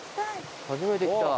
初めて来た。